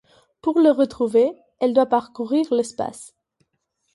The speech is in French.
Pour les retrouver, elle doit parcourir l'espace.